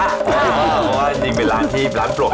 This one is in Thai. เพราะว่าจริงเป็นร้านผลุน